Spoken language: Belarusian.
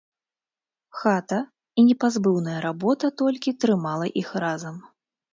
Хата і непазбыўная работа толькі трымала іх разам.